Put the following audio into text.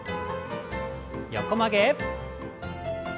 横曲げ。